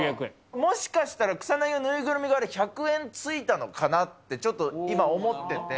もしかしたら、草薙の縫いぐるみが、あれ、１００円ついたのかなってちょっと今、思ってて。